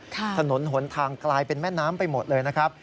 ถนนหนทางกลายเป็นแม่น้ำไปหมดเลยนะครับ